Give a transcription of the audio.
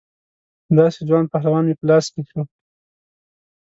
داسې ځوان پهلوان مې په لاس کې شو.